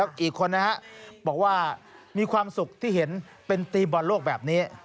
อีกคนนะฮะบอกว่ามีความสุขที่เห็นเป็นทีมบอลโลกแบบนี้